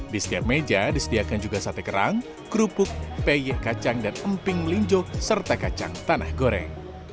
di setiap meja disediakan juga sate kerang kerupuk peye kacang dan emping melinjo serta kacang tanah goreng